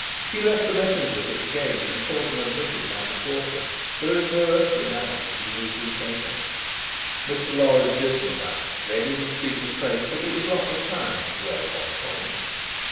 He left the messengers at the gate, and saw them admitted by the porter. There is no earthly doubt that he is retaken." Mr. Lorry's business eye read in the speaker's face that it was loss of time to dwell upon the point.